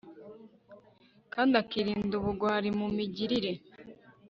kandi akirinda ubugwari mu migirire